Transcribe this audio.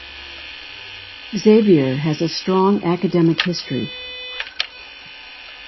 Xavier has a strong academic history.